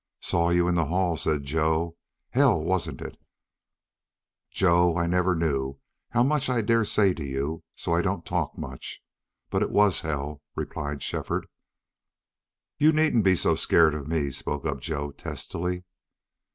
"Saw you in the hall," said Joe. "Hell wasn't it?" "Joe, I never knew how much I dared say to you, so I don't talk much. But, it was hell," replied Shefford. "You needn't be so scared of me," spoke up Joe, testily.